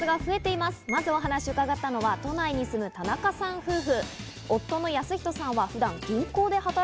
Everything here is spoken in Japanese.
まず、お話を伺ったのは都内に住む田中さん夫婦。